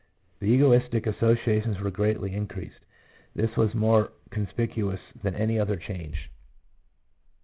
The egotistic associations were greatly increased; this was more conspicuous than any other change.